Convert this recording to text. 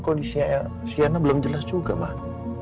kondisinya sienna belum jelas juga mbak